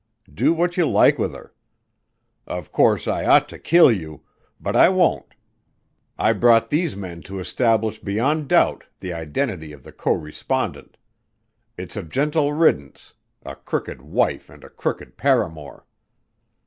Do what you like with her. Of course I ought to kill you, but I won't. I brought these men to establish beyond doubt the identity of the co respondent. It's a gentle riddance a crooked wife and a crooked paramour."